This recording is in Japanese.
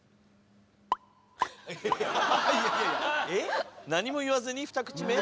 えっ何も言わずに２口目？